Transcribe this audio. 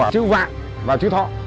chữ vạn và chữ thọ